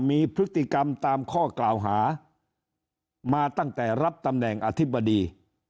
มีพฤติกรรมตามข้อกล่าวหามาตั้งแต่รับตำแหน่งอธิบดี